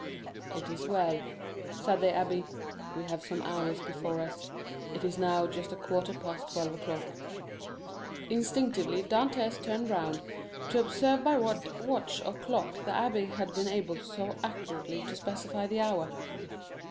"It is well," said the abbé; "we have some hours before us—it is now just a quarter past twelve o'clock." Instinctively Dantès turned round to observe by what watch or clock the abbé had been able so accurately to specify the hour.